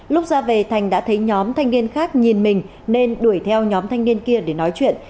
lúc ra về thành đã thấy nhóm thanh niên khác nhìn mình nên đuổi theo nhóm thanh niên kia để nói chuyện